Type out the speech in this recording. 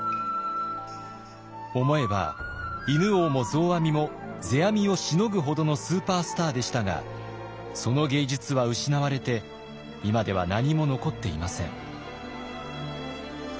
思えば犬王も増阿弥も世阿弥をしのぐほどのスーパースターでしたがその芸術は失われて今では何も残っていません。